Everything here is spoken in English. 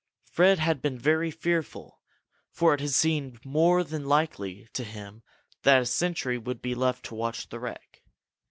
Fred had been very fearful for it had seemed more than likely to him that a sentry would be left to watch the wreck.